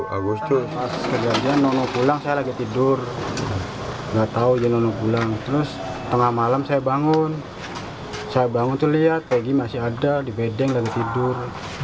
agustus pas kejadian nono pulang saya lagi tidur nggak tahu dia nono pulang terus tengah malam saya bangun saya bangun tuh lihat kayak gini masih ada di bedeng dan tidur